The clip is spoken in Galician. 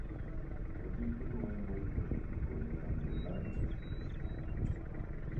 O título é moi poético e a realidade máis gris.